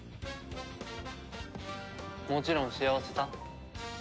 もちろん幸せさ。